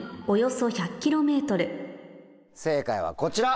正解はこちら！